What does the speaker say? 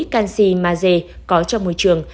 canxi maze có trong môi trường